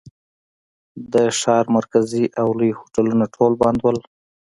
د ښار مرکزي او لوی هوټلونه ټول بند ول.